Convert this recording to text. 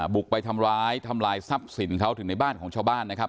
บุกไปทำร้ายทำลายทรัพย์สินเขาถึงในบ้านของชาวบ้านนะครับ